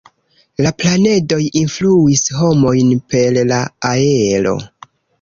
La planedoj influis homojn per la aero.